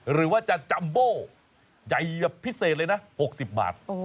หรือว่าจะจัมโบใหญ่แบบพิเศษเลยนะ๖๐บาท